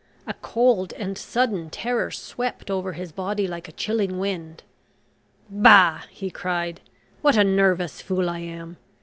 A cold and sudden terror swept over his body like a chilling wind. "Bah," he cried. "What a nervous fool I am!